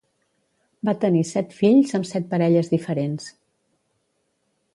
Va tenir set fills amb set parelles diferents.